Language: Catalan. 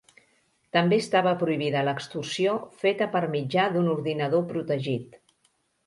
També estava prohibida l'extorsió feta per mitjà d'un ordinador protegit.